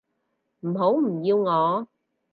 唔好唔要我